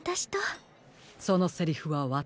そのセリフはわたしから。